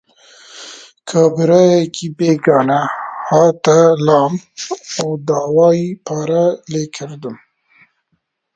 کابرایەکی بێگانە هاتە لام و داوای پارەی لێ کردم.